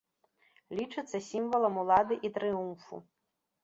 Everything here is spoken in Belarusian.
Лічыцца сімвалам улады і трыумфу.